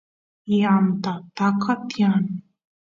yanta taka tiyan